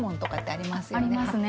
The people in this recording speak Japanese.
ありますね。